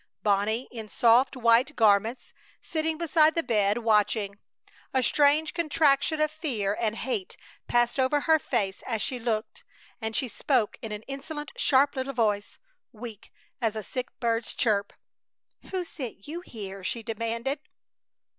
Bonnie in soft, white garments sitting beside the bed, watching. A strange contraction of fear and hate passed over her face as she looked, and she spoke in an insolent, sharp little voice, weak as a sick bird's chirp. "Who sent you here?" she demanded.